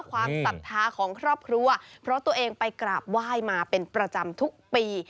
ความศรัทธาของครอบครัวเพราะตัวเองไปกราบไหว้มาเป็นประจำทุกปี